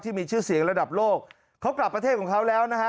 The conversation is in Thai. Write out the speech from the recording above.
ที่มีชื่อเสียงระดับโลกเขากลับประเทศของเขาแล้วนะฮะ